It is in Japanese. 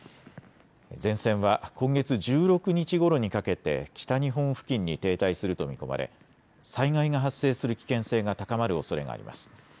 前線は今月１６日ごろにかけて、北日本付近に停滞すると見込まれ、災害が発生する危険性が高まるおそれがあります。